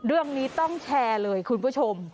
เรื่องนี้ต้องแชร์เลยคุณผู้ชม